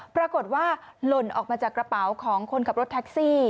ปรากฏว่าหล่นออกมาจากกระเป๋าของคนขับรถแท็กซี่